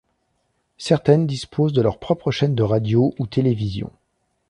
Certaines disposent de leurs propres chaînes de radio ou télévision.